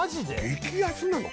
激安なの？